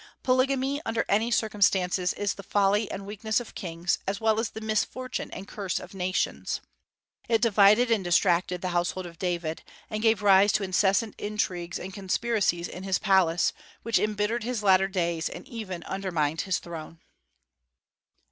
Polygamy, under any circumstances, is the folly and weakness of kings, as well as the misfortune and curse of nations. It divided and distracted the household of David, and gave rise to incessant intrigues and conspiracies in his palace, which embittered his latter days and even undermined his throne.